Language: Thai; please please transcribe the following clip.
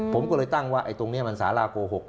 ผมก็เลยตั้งว่าตรงนี้มันสาราโกหก